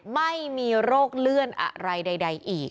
ไม่มีโรคเลื่อนอะไรใดอีก